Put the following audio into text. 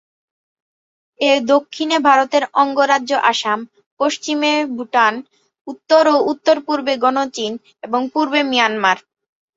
এর দক্ষিণে ভারতের অঙ্গরাজ্য আসাম, পশ্চিমে ভুটান, উত্তর ও উত্তর-পূর্বে গণচীন, এবং পূর্বে মিয়ানমার।